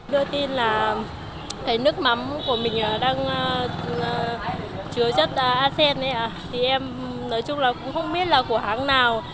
đưa tin là cái nước mắm của mình đang chứa chất arsen đấy ạ thì em nói chung là cũng không biết là của hãng nào